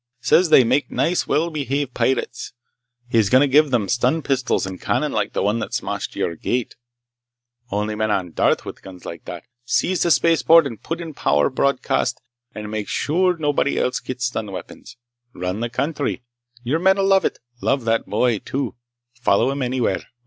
Says they make nice, well behaved pirates. He's going to give them stun pistols and cannon like the one that smashed your gate. Only men on Darth with guns like that! Seize the spaceport and put in power broadcast, and make sure nobody else gets stun weapons. Run the country. Your men'll love it. Love that boy, too! Follow him anywhere.